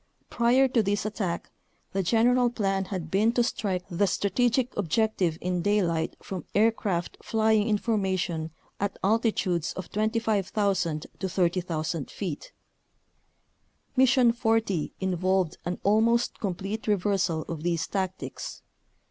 Prior to this attack the general plan had been to strike the strategic objective in daylight from aircraft flying in formation at altitudes of 25,000 to 30,000 feet. Mission 40 involved an almost complete reversal of these tactics.